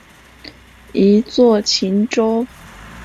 一作晴州。